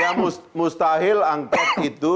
ya mustahil angket itu